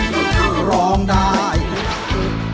ร้องได้ให้ร้องร้องได้ให้ร้อง